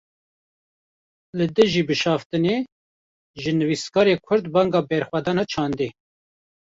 Li dijî bişaftinê, ji nivîskarên Kurd banga berxwedana çandî